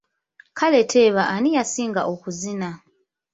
Kale teeba ani yasinga okuzina?